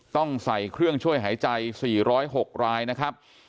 ต้องใส่เครื่องช่วยหายใจ๔๐๖รายนะครับ